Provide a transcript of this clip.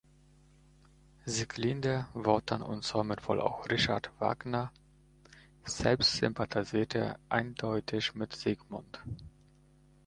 Sieglinde, Wotan und somit wohl auch Richard Wagner selbst sympathisieren eindeutig mit Siegmund.